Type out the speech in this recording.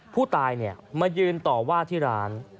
ผู้ตายมายืนต่อว่าที่ร้าน